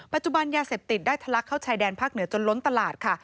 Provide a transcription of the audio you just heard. ยาเสพติดได้ทะลักเข้าชายแดนภาคเหนือจนล้นตลาดค่ะ